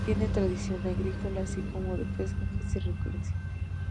Tienen tradición agrícola así como de pesca, caza y recolección.